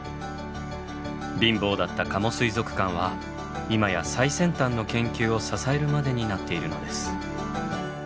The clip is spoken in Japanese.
貧乏だった加茂水族館は今や最先端の研究を支えるまでになっているのです。